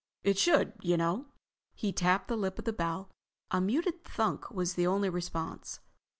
It should, you know." He tapped the lip of the bell. A muted thunk was the only response.